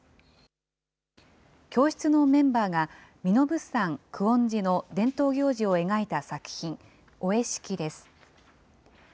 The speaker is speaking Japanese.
教室のメンバーが、身延山久遠寺の伝統行事を描いた作品、御会式です。